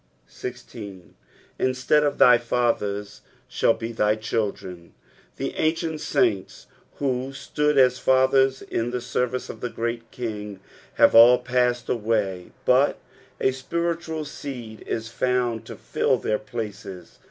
15. " InsUtul of thij fatheri thall be thij children," The ancient aointa who stood as fathers in tho service of the Great King have all passed away ; but a spiritual seed is found to fill their places.